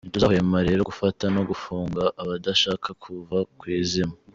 Ntituzahwema rero gufata no gufunga abadashaka kuva ku izima."